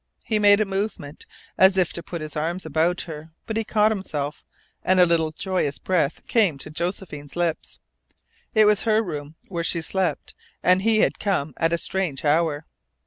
He made a movement, as if to put his arms about her, but he caught himself, and a little joyous breath came to Josephine's lips. It was her room, where she slept and he had come at a strange hour.